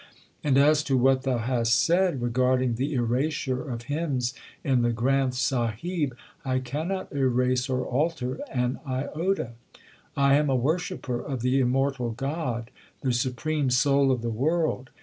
And as to what thou hast said regarding the erasure of hymns in the Granth Sahib, I cannot erase or alter an iota. I am a worshipper of the Immortal God, the Supreme Soul of the world.